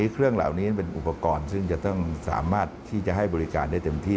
เครื่องเหล่านี้เป็นอุปกรณ์ซึ่งจะต้องสามารถที่จะให้บริการได้เต็มที่